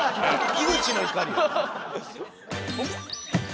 井口の怒りや。